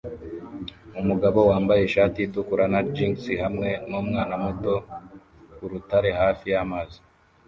Umugabo wambaye ishati itukura na jans hamwe numwana muto kurutare hafi yamazi